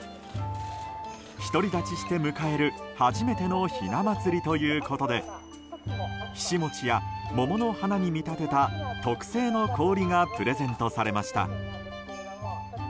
１人立ちして迎える初めてのひな祭りということでひし餅や桃の花に見立てた特製の氷がプレゼントされました。